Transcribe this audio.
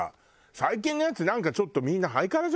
最近のやつなんかちょっとみんなハイカラじゃない？